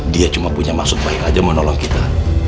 dia cuma punya maksud baik aja mau nolong kita